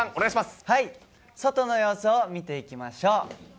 外の様子を見ていきましょう。